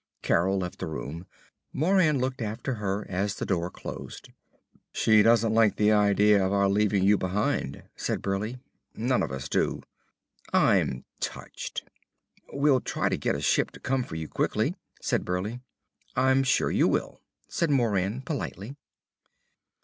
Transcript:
Carol left the room. Moran looked after her as the door closed. "She doesn't like the idea of our leaving you behind," said Burleigh. "None of us do." "I'm touched." "We'll try to get a ship to come for you, quickly," said Burleigh. "I'm sure you will," said Moran politely.